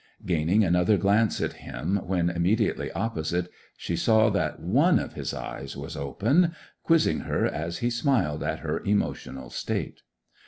Gaining another glance at him when immediately opposite, she saw that one of his eyes was open, quizzing her as he smiled at her emotional state.